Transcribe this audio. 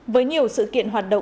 với nhiều sự kiện hoạt động